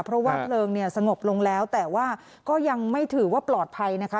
เพราะว่าเพลิงเนี่ยสงบลงแล้วแต่ว่าก็ยังไม่ถือว่าปลอดภัยนะคะ